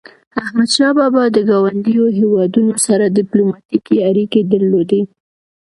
احمدشاه بابا د ګاونډیو هیوادونو سره ډیپلوماټيکي اړيکي درلودی.